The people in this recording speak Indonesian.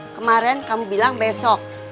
kemaren kamu bilang besok